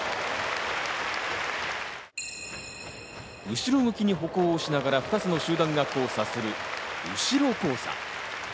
後ろ向きに歩行をしながら２つの集団が交差する、後ろ交差。